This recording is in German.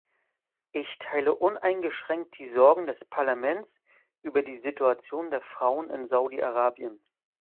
Ich teile uneingeschränkt die Sorgen des Parlaments über die Situation der Frauen in Saudi-Arabien.